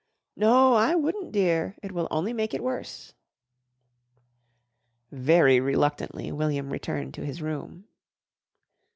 "No, I wouldn't, dear. It will only make it worse." Very reluctantly William returned to his room.